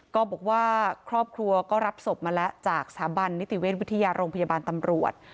ก็บอกว่าครอบครัวก็รับศพมาแล้วจากสถาบันนิติเวชวิทยาโรงพยาบาลตำรวจ